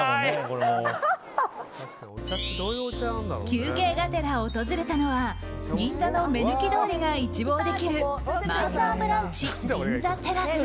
休憩がてら訪れたのは銀座の目抜き通りが一望できるマーサブランチギンザテラス。